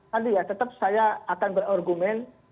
tadi ya tetap saya akan berargumen